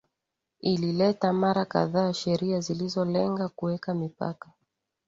ilileta mara kadhaa sheria zilizolenga kuweka mipaka